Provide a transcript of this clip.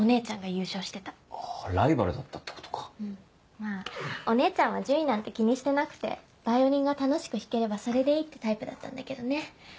まぁお姉ちゃんは順位なんて気にしてなくてヴァイオリンが楽しく弾ければそれでいいってタイプだったんだけどね。